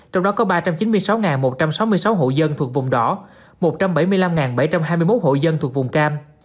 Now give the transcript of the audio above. trong đó có ba trăm chín mươi sáu một trăm sáu mươi sáu hộ dân thuộc vùng đỏ một trăm bảy mươi năm bảy trăm hai mươi một hộ dân thuộc vùng cam